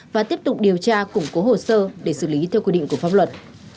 và tiếp tục điều tra củng cố hồ sơ để xử lý theo quy định của pháp luật